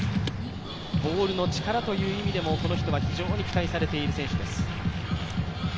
ボールの力という意味でも、この人は非常に期待されている選手です。